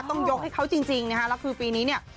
ต้องยกให้เขาจริงนะฮะแล้วคือปีนี้เนี่ย